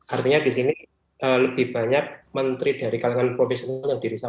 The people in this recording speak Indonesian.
artinya di sini lebih banyak menteri dari kalangan profesional yang dirilisme